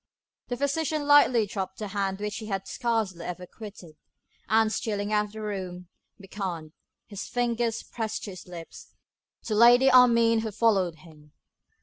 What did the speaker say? The physician lightly dropped the hand which he had scarcely ever quitted, and, stealing out of the room, beckoned, his finger pressed to his lips, to Lady Armine to follow him.